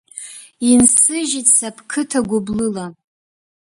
Инсыжьит са бқыҭа гәыблыла…